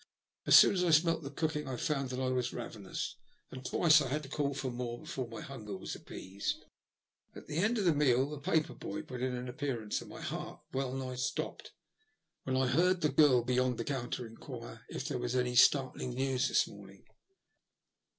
As soon as I smelt the cooking I found that I was ravenous, and twice I had to call for more before my hunger was appeased. Towards the end of my meal a paper boy put in an appearance, and my heart well nigh stopped when I 110 THE LUST OP HATE. heard the girl beyond the counter enquire if there was *' any startling news this morning."